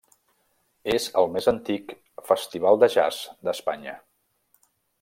És el més antic festival de jazz d'Espanya.